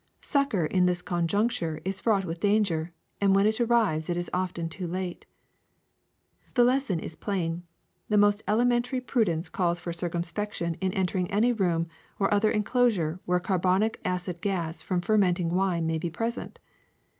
Succor in this conjuncture is fraught with danger, and when it arrives it is often too late. ^'The lesson is plain: the most elementary pru dence calls for. circumspection in entering any room or other enclosure where carbonic acid gas from fer menting wine may be present.